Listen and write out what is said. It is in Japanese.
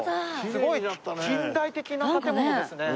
すごい近代的な建物ですね。